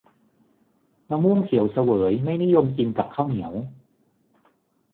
มะม่วงเขียวเสวยไม่นิยมกินกับข้าวเหนียว